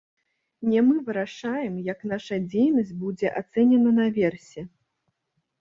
Не мы вырашаем, як наша дзейнасць будзе ацэнена наверсе.